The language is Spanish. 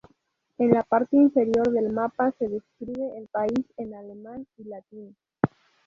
En la parte inferior del mapa se describe el país en alemán y latín.